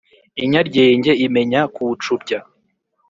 inyaryenge imenya kuwucubya.